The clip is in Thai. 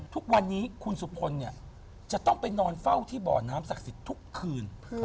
ทุกวันนี้คุณสุพลเนี่ยจะต้องไปนอนเฝ้าที่บ่อน้ำศักดิ์สิทธิ์ทุกคืน